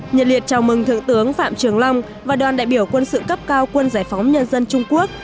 nhật liệt chào mừng thượng tướng phạm trường long và đoàn đại biểu quân sự cấp cao quân giải phóng nhân dân trung quốc